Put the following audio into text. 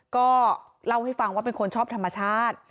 ก็เล่าให้ฟังว่าเป็นคนชอบธรรมชาติ